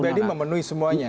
secara pribadi memenuhi semuanya